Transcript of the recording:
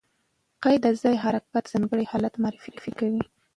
قید د ځایي حرکت ځانګړی حالت معرفي کوي.